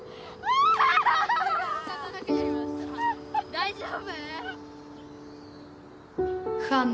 大丈夫？